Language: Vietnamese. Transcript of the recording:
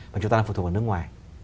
mà chúng ta phụ thuộc ở nước ngoài